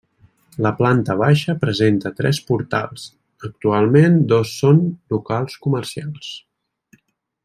La planta baixa presenta tres portals, actualment dos són locals comercials.